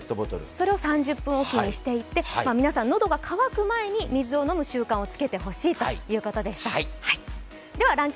それを３０分おきにしていって皆さん、喉が乾く前に水を飲む習慣をつけてほしいということでした。